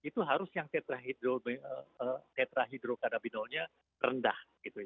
terus yang tetrahydrokanabinolnya rendah